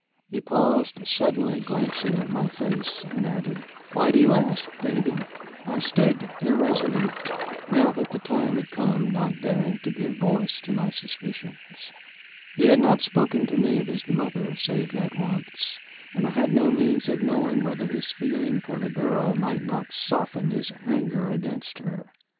He paused suddenly glancing at my face, and added, "Why do you ask, Davy?" I stood irresolute, now that the time had come not daring to give voice to my suspicions. He had not spoken to me of his mother save that once, and I had no means of knowing whether his feeling for the girl might not soften his anger against her.